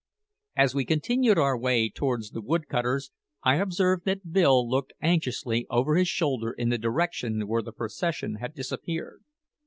As we continued our way towards the woodcutters, I observed that Bill looked anxiously over his shoulder in the direction where the procession had disappeared.